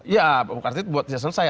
ya bukan artinya buat tidak selesai